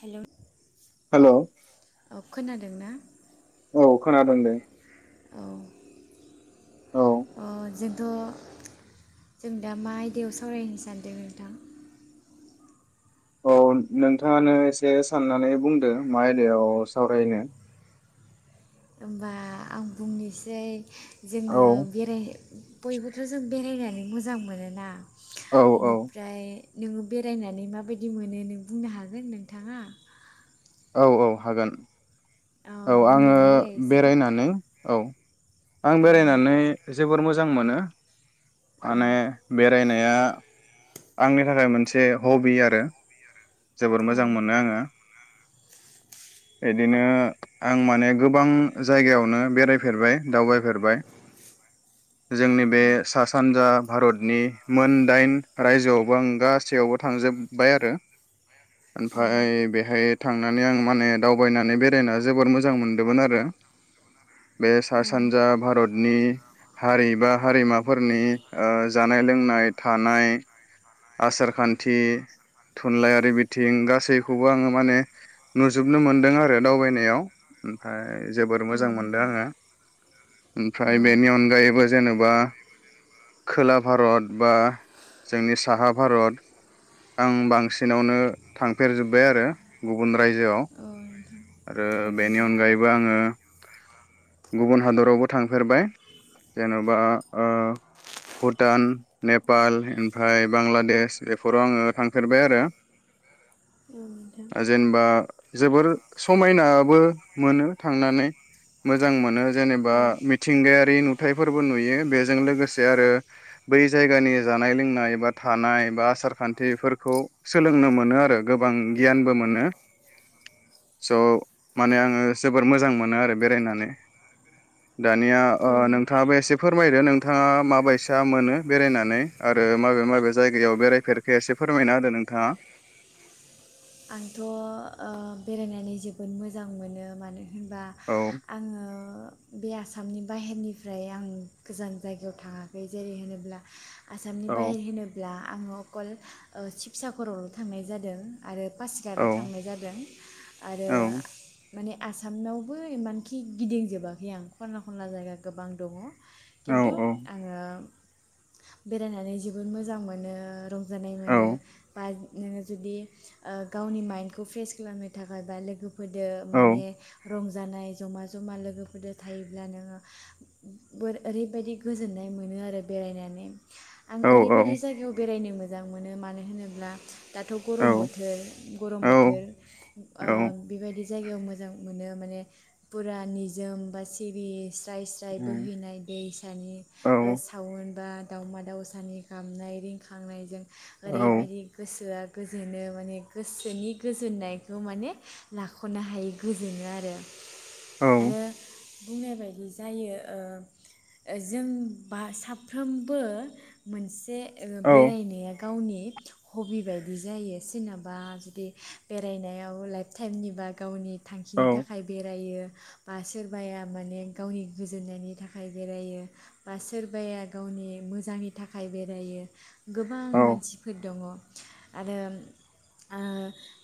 Hello hello औ खोनादों ना औ खोनादों दे औ औ अ जों थ' जों दा मा आयदायाव सावरायनो सानदों नोंथां? औ नोंथाङानो एसे साननानै बुंदो मा आयदायाव सावरायनो होनबा आं बुंनोसै औ जोङों बेरायहै- बयबोथ' जों बेरायनानै मोजां मोनोना औ औ इनिफ्राय नोङो बेरायनानै माबायदि मोनो नों बुंनो हागोन नोंथाङा? औ औ हागोन औ आङो बुंनानै होलाय एसे बेरायनानै औ आं औ बेरायनानै जोबोर मोजां मोजां मोनो औ माने बेरायाय न [unintelligible] आंनि थाखाय मोनसे हबि आरो जोबोर औ मोजां मोनो आङो इदिनो आं माने गोबां जायगायावनो बेरायफेरबाय दावबाय फेरबाय जोंनि बे सा सानजा भारतनि मोनदाइन रायजोआवबो आं गासैयावबो थांजोब्बाय आरो औ ओमफाय बेहाय थांनानै आं माने दावबायनानै बेरायना जोबोर मोजां मोनदोंमोन आरो बे सा सानजा भारतनि हारि बा हारिमा फोरनि ओ जानाय लोंनाय थानाय आसार खान्थि थुनलाइयारि बिथिं गासैखौबो आङो माने नुजोबनो मोनदों आरो दावबायनायाव ओमफ्राय जोबोर औ मोजां मोनदों नोंथां आङो। औ ओमफ्राय बेनि अनगायैबो जेनेबा खोला भारत बा जोंनि साहा भारत आं बांसिनावनो थांफेर जोब्बाय आरो गुबुन रायजोआव औ नोंथां औ ओ बेनि नोंथां अनगायैबो आङो गुबुन हादरावबो थांफेरबाय जेन'बा ओ ओ भुटान नेपाल ओमफ्राय बांलादेश फराव आङो थांफेरबाय आरो औ नोंथां जेनेबा जोबोर समायनाबो मोनो थांनानै मोजां मोनो। जेनेबा औ मिथिंगायारि नु नुथाइफोरबो नुयो बेजों लोगोसे आरो बै जायगानि जानाय लोंनाय बा थानाय बा आसार खान्थिफोरखौ सोलोंनो मोनो आरो गोबां गियानबो मोनो स' माने आङो जोबोर मोजां मोनो आरो बेरायनानै। दानिया आंथ' नोंथाङाबो एसे फोरमायदो? नों नोंथाङा माबायसा मोनो बेरायनानै आरो माबे माबे जायगायाव बेरायफेर इसे फोरमायना होदो नोंथाङा? आंथ' ओ बेरायनानै जोबोद मोजां मोनो मानो बा औ आङो बे आसामनि बाहेरनिफ्राय आं गोजान जायगायाव थाङाखै जेरै होनोब्ला आसामनि औ बाहेर होनोब्ला आङो अकल शिबसागराव थांनाय जादो। आरो औ पासिघाताव थांनाय जादों आरो माने आसामावबो इमानखि गिदिंजोबाखै आं खनला खनला जायगा गोबां दङ औ खिन्थु आङो बेरायनानै जोबोद मोजां मोनो रंज जानाय औ मोनो बा नोङो जुदि ओ गावनि माइन्डखौ फ्रेस खालामनो थाखाय बा लोगो फोदो औ माने रं जानाय जमा जमा लोगोफोरजों थायोब्ला नोङो बोर ओरैबायाददि गोजोननाय मोनो आरो बेरायनानै आं औ ओरैबायदि जायगायाव बेरायनोमोन मोजां मोनो मानो होनोब्ला दाथ' गरम बोथोर थोर औ गरम औ बोथोर ओ औ बेबादि जायगायाव मोजां मोनो माने पुरा निजोम बा सिरि स्राय औ स्राय बोहैनाय दैसानि औ औ औ सावन बा दावमा दावउसानि गामनाय रिंखांनायजों औ ओरैबायदि गोसोआ गोजोनो। माने गोसोनि गोजोननायखौ माने लाख'नो हायि गोजोनो आरो। आरो। बुंनाय बायदि जायो ओ जों बा साफ्रोमबो मोनसे ओ औ बेरायनाया गावनि हबि बायदि जायो। सोरनाबा जुदि बेरायनायाव लाइफ टाइमनिबा गावनि थांखिनि औ थाखाय बेरायो। बा सोरबाया माने गावनि गोजोननायनि थाखाय बेरायो बा सोरबाया गावनि मोजांनि थाखाय बेरायो गोबां मानसिफोर दङ आरो ओ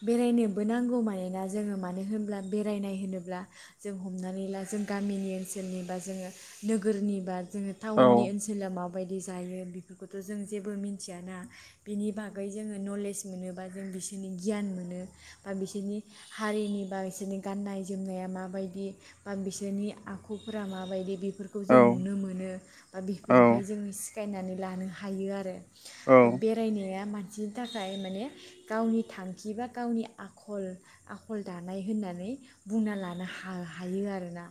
बेरायनोबो नांगौ मानोना जोङो मानो होनोब्ला बेरायनाय होनोब्ला जों हमनानै ला जों गामिनि ओनसोलनि बा जोङो नोगोरनि बा जोङो थाउननि औ ओनसोला मा बायदि जायो बेफोरखौथ' जों जेबो मिथियाना बेनि बागै जोङो नलेज मोनो। बा जों बिसोरनि गियान मोनो बा बिसोरनि हारिनि बा बिसोरनि गाननाय जोमनाया माबायदि बा बिसोरनि आखुफोरा माबायदि बे बेफोरखौ जों नुनो मोनो बा बेफोरनिफ्राय जों सिखायनानै लानो हायो आरो। बेरायनाया मान बिनि थाखाय माने गावनि थांखि बा गावनि आखल आखल दानाय होननानै बुंना लानो हायो आरोना।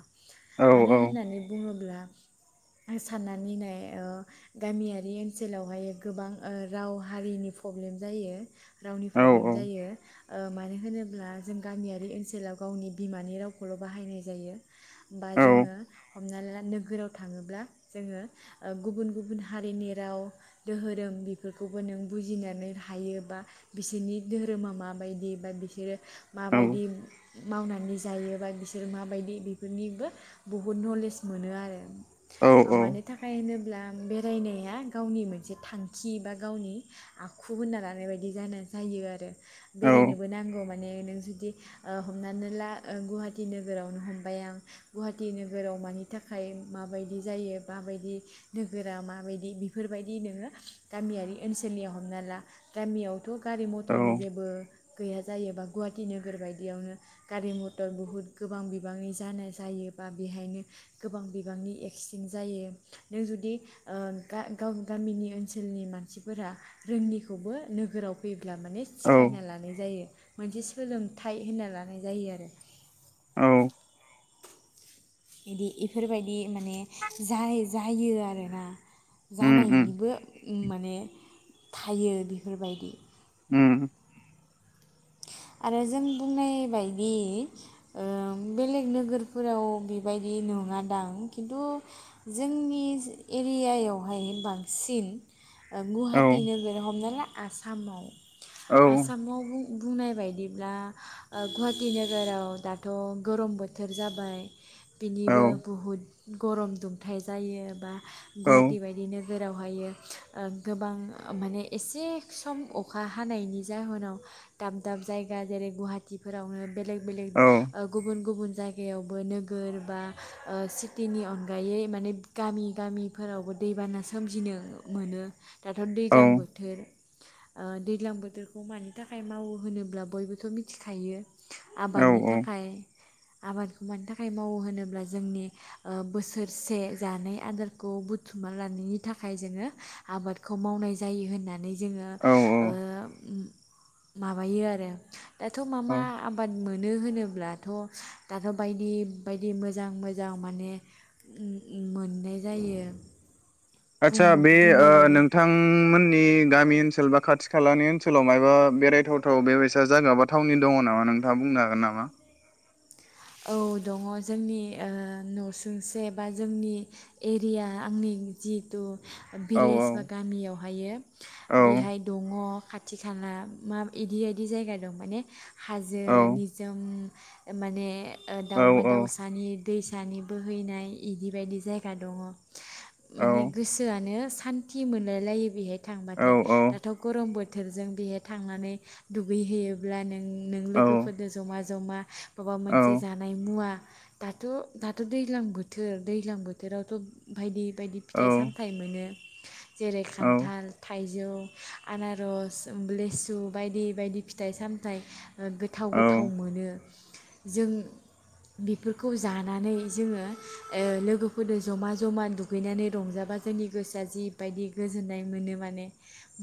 मानो होननानै बुङोब्ला साननानै नाय ओ गामियारि ओनसोलावहाय गोबां ओ राव हारिनि प्रब्लेम जायो। रावनि प्रब्लेम जायो। ओ मानो होनोब्ला जों गामियारि ओनसोलाव गावनि बिमानि रावखौल' बाहायनाय जायो बा जोङो हमना ला नोगोराव थाङोब्ला जोङो ओ गुबुन गुबुन हारिनि राव दोहोरोम बेफोरखौबो नों बुजिनानै हायो बा बिसोरनि धोरोमा माबायदि बा बिसोरो माबायदि मावनानै जायो बा बिसोर माबायदि इफोरनिबो बहुद नलेज मोनो आरो। मानो थाखाय होनोब्ला बेरायनाया गावनि मोनसे थांखि बा गावनि आखु होनना लानाय बायदि। जानो जायो आरो। बेरायनोबो नांगौ मान माने नों जुदि ओ हमनानै ला ओ गुवाहाटि नोगोरावनो हमबाय आं गुवाहाटि नोगोराव मानि थाखाय माबायदि जायो माबायदि नोगोरा माबायदि बेफोरबायदि नोङो गामियारि ओनसोलनियाव हमना ला गामियाव गारि मथरनि जेबो गैया जायोबा गुवाहाटि नोगोर बायदियावनो गारि मथर बुहुद गोबां बिबांनि जानाय जायो बा बेहायनो गोबां बिबांनि एक्सिडेन्ट जायो नों जुदि ओ गामिनि ओनसोलनि मानसिफोरा रोङिखौबो नोगोराव अब्ला माने सिखायना लानाय जायो। मोनसे सोलोंथाइ होनना लानाय जायो आरो औ बिदि इफोरबायदि माने जाय जायो आरोना जानायनिबो माने थायो बेफोरबायदि उम आरो जों बुंनाय बायदि ओ बेलेग नोगोरफोराव बेबायदि नङा दां खिन्थु जोंनि एरियायावहाय बांसिन ओ औ औ गुवाहाटि नोगोर हमना ला आसाम औ [unintelligible] आसामाव बुं बुंनाय बायदिब्ला गुवाहाटि नोगोराव दाथ' गरम बोथोर जाबाय औ बिनिबो बहुद गरम दुम थाय जायो बा औ गुवाहाटि बायदिनो जेरावहायो ओ गोबां माने एसे सम अखा हानायनि जाहोनाव दाब दाब जायगा जेरै गुवाहाटिफोरावनो बेलेग बेलेग औ ओ गुबुन गुबुन जायगायावबो नोगोर बा ओ सिटिनि अनगायै माने गामि गामिफोरावबो दैबाना सोमजिनो मोनो। दाथ' औ दैज्लां बोथोर ओ दैज्लां बोथोरखौ मानि थाखाय मावो होनोब्ला बयबोथ' मिथिखायो औ आबादनि थाखाय आबादखौ मानि थाखाय मावो होनोब्ला जोंनि ओ बोसोरसे जानाय आदारखौ बुथुमना लानायनि थाखाय जोङो आबादखौ मावनाय जायो होननानै जोङो औ ओ माबायो आरो दाथ' मा औ मा आबाद मोनो होनोब्ला थ' दाथ' बायदि बायदि मोजां मोजां माने मोननाय जायो। बुं आचसा बे बुंनाय बायदि नोंथांमोननि गामि ओनसोल बा खाथि खालानि ओनसोलाव मबा बेरायथावथाव बेबायसा जागा बा थावनि दङ नामा नोंथाङा बुंनो हागोन नामा? औ दङ जोंनि ओ न'सुंसे बा जोंनि एरिया आंनि जिथु औ भिलेज बा गामियावहायो औ बेहाय दङ खाथि खाला मा बिदि बायदि जायगा दं माने हाजो औ निजोम माने ओ औ दाउमा दाउसानि दैसानि बोहैनाय इदि बायदि जायगा दङ। औ माने गोसोआनो सो सान्थि मोनाय लायो बेहाय। औ थांबाथाय दाथ' गर'मबो बोथोरजों बेहाय थांनानै दुगैहैयोब्ला नों नों औ लोगोफोरजों ज'मा जमा जे जानाय मुवा दाथ' दाथ' दैज्लां बोथोर दैज्लां बोथोरावथ' बायदि बायदि फिथाइ-सामथाइ मोनो। जेरै औ खान्थाल थाइज जौ आनारस लेसु बायदि बायदि फिथाइ-सामथाइ गोथाव गोथाव मोनो। जों बेफोरखौ जानानै जोङो ओ लोगोफोरदो जमा जमा दुगैनानै रंजाबा जोंनि गोसोआ जिबायदि गोजोननाय मोनो माने।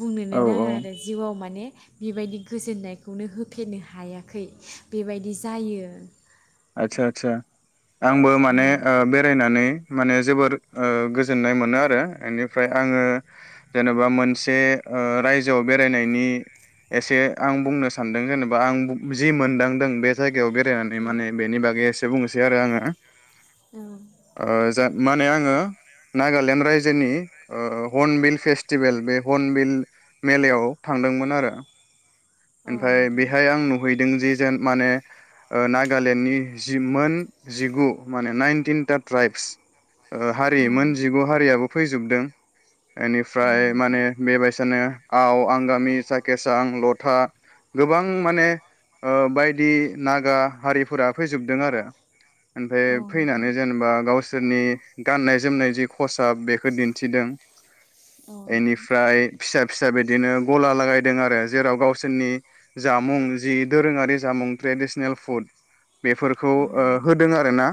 बुंनोनो औ औ नाङा आरो जिउआव माने बेबायदि गोजोननायखौनो होफेरनो हायाखै बेबायदि जायो। ओ। आदसा आदसा आंबो माने औ ओ बेरायनानै माने जोबोर ओ गोजोन्नाय मोनो आरो इनिफ्राय आङो जेनेबा मोनसे ओ रायजोआव बेरायनायनि एसे आं बुंनो सानदों जेनेबा आं जि मोनदांदों बेखो याव बेरायनानै माने बागै एसे बुंनोसै आरो आङो। औ ओ जा माने आङो नागालेण्ड रायजोनि ओ हनबिल फेस्टिभेल बे हनबिल मेलायाव थांदोंमोन आरो। औ ओमफाय नोंथां बेहाय आं नु नुहैदों जे जोन माने ओ नागालेण्डनि जि मोन जिगु माने नाइनटिन था ट्राइब्स। ओ हारि औ मोन जिगु हारियाबो फैजोबदों। औ एनिफ्राय नोंथां माने बेबायसानो आव आंगामि सकेसा आं लथा। गोबां माने ओ बायदि नागा हारिफोरा फैजोबदों आरो। औ ओमफ्राय नोंथां फैनानै जेनेबा गावसो बिसोरनि गाननाय जोमनाय जि खसाब बेखौ दिन्थिदों। औ नोंथां एनिफ्राय फिसा फिसा बिदिनो गला लागायदों आरो जेराव गावसोर नि जामुं जि दोरोङारि जामुं ट्रेडिसनेल फुड बेफोरखौ औ ओ नोंथां होदों आरो ना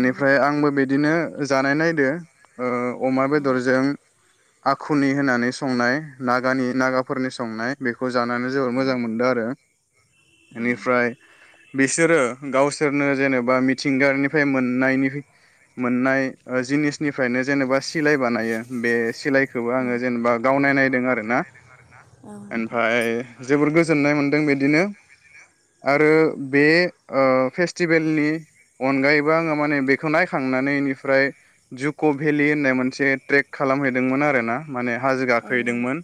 औ आंबो बे बिदिनो जानाय नायदों ओ अमा बेदरजों आखुनि होनानै संनाय न नागाफोरनि संनाय बेखौ खौ जानानै जोबोोर मोजां मोनदों आरो औ बेनिफ्राय बिसोरो गावसोरनो जेनेबा मिथिंगानिफ्राय मोननायनि मोननाय जिनिसनिफ्रायनो जेनेबा सिलाय बानायो बे सिलाय बो आङो औ जेनेबा गावनायदों आरोना औ नोंथां फ्राय जोबोर गोजोननाय मोनदों बिदिनो आरो बे फेस्टिभेलनि अनगायैबो आङो माने बेखौ नायखांनानैनिफ्राय जुक' भेलि होननाय मोनसे ट्रेक खालामहैदोंमोन आर ना माने हाजो औ गाखोदोंमोन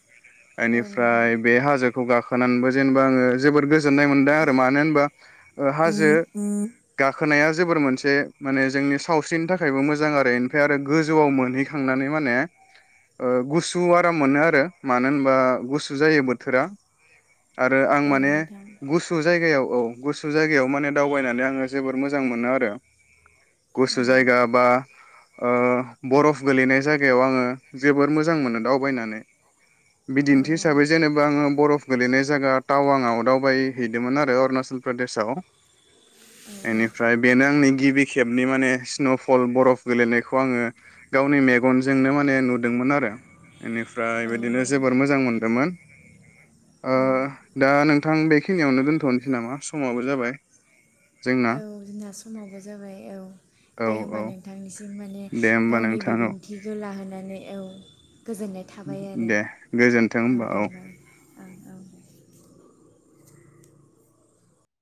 औ औ एनिफ्राय हाजोखौ गाखोनानैबो जेनेबा आङो जोबोर गोजोननाय मोन आरो मानोा हाजो नोंथां गाखोनाया जोबोर मोनसे माने जोंनि सावस्रिनि थाखायबो मोजां आरो बेनिफ्राय आरो गोजौआव मोनहैखांनानै माने गुसु आराम मोनो आरो मानो होनबा गुसु जायोबो बथुरा आरो आं औ माने नोंथां गुसु जायगायाव औ गुसु जायगायाव माने दावबायनानै आङो जोबोर मोजां मोनो आरो गुसु औ जायगा बा ओ बरफ गोलैनाय जायगायाव आङो जोबोर मोजां मोनो दावबायनानै औ बिदिन्थि हिसाबै जेनेबा बरफ गेलेनाय जायगा टाव आं आवटआव बायहैदोंमोन आरो अरुणाचल प्रदेशाव औ बेनिफ्राय बेनो आंनि गिबि खेबनि माने स्न'फल बरफ गेलेनायखौ आङो गावनि मेगनजोंनो माने नुदोंमोन आरो बेनिफ्राय औ बिदिनो जोबोर औ मोजां मोनदोंमोन ओ दा नों नोंथां बेखिनियावनो दोनथ'नोसै नामा समाबो जाबाय जोंना औ जोंना समावबो जाबाय औ औ दे होमबा औ नोंथांनिसिम माने दे होमबा गावनि नोंथां औ बिबुंथि गो लाहोनाय औ गोजोननाय थाबाय आरो दे गोजोन्थों होमबा औ औ औ